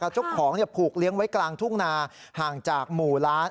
แล้วจุดของเนี่ยผูกเลี้ยงไว้กลางทุ่งนาห่างจากหมู่ร้าน